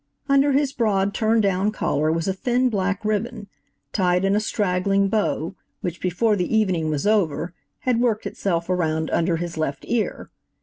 Under his broad, turn down collar was a thin black ribbon, tied in a straggling bow, which, before the evening was over, had worked itself around under his left ear.